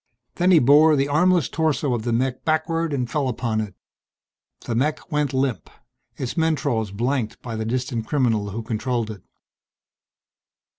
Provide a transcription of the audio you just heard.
Then he bore the armless torso of the mech backward and fell upon it. The mech went limp, its mentrols blanked by the distant criminal who controlled it.